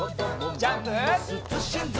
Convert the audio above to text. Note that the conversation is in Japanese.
ジャンプ！